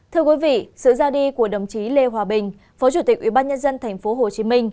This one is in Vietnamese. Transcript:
thưa quý vị sự ra đi của đồng chí lê hòa bình phó chủ tịch ủy ban nhân dân tp hcm